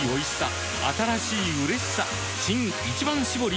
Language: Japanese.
新「一番搾り」